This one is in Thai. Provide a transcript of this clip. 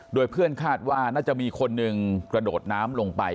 โดยเพื่อนคาดว่าน่าจะมีคนหนึ่งกระโดดน้ำลงไป